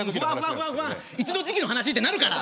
いつの時期の話ってなるから。